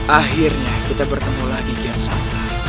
akhirnya kita bertemu lagi kiatsak